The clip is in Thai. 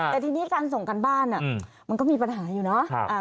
แต่ทีนี้การส่งการบ้านมันก็มีปัญหาอยู่เนาะ